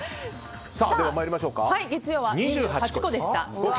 月曜は２８個でした。